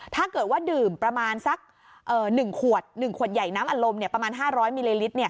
ถ้าเกิดว่าดื่มประมาณสัก๑ขวด๑ขวดใหญ่น้ำอารมณ์ประมาณ๕๐๐มิลลิลิตร